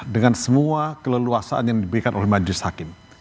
dengan semua keleluasaan yang diberikan oleh majlis hakim